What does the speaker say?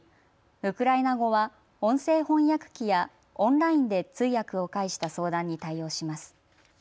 ウクライナ語は音声翻訳機やオンラインで通訳を介した相談に対応します。